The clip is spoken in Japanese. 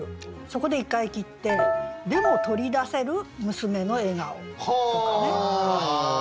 そこで一回切って「でも取り出せる娘の笑顔」とかね。